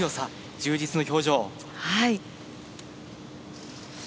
充実の表情。